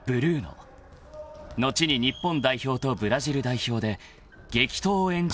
［後に日本代表とブラジル代表で激闘を演じる相手